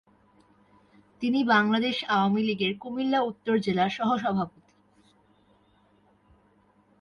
তিনি বাংলাদেশ আওয়ামী লীগের কুমিল্লা উত্তর জেলার সহ-সভাপতি।